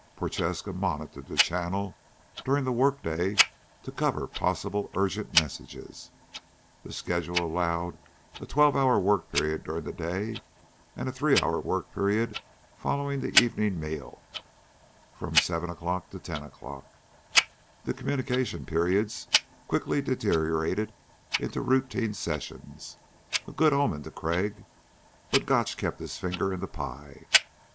Prochaska monitored the channel during the workday to cover possible urgent messages. The schedule allowed a twelve hour work period during the day and a three hour work period following the evening meal, from 7:00 to 10:00. The communication periods quickly deteriorated into routine sessions a good omen to Crag but Gotch kept his finger in the pie.